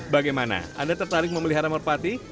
bagaimana anda tertarik memelihara merpati